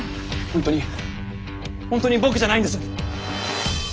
本当に本当に僕じゃないんです。